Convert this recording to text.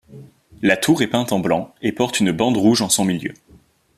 La tour est peinte en blanc et porte une bande rouge en son milieu.